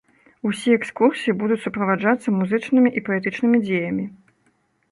Усе экскурсіі будуць суправаджацца музычнымі і паэтычнымі дзеямі.